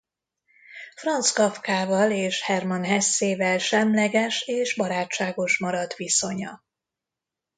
Franz Kafkával és Hermann Hessével semleges és barátságos maradt viszonya.